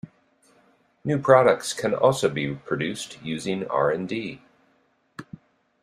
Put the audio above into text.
New products can also be produced using R and D.